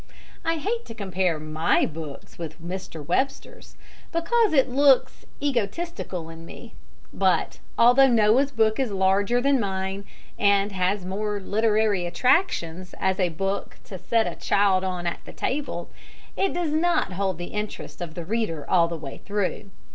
I hate to compare my books with Mr. Webster's, because it looks egotistical in me; but, although Noah's book is larger than mine, and has more literary attractions as a book to set a child on at the table, it does not hold the interest of the reader all the way through.